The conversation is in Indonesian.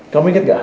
kamu ingat gak